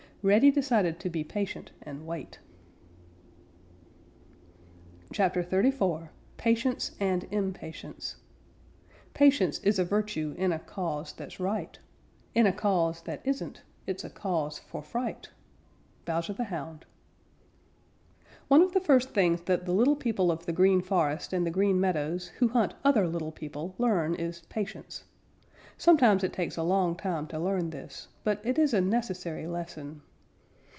Reddy decided to be patient and wait. CHAPTER XXXIV PATIENCE AND IMPATIENCE Patience is a virtue In a cause that's right. In a cause that isn't, It's a cause for fright. Bowser the Hound. One of the first things that the little people of the Green Forest and the Green Meadows who hunt other little people learn is patience. Sometimes it takes a long time to learn this, but it is a necessary lesson.